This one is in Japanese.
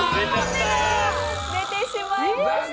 出てしまいました！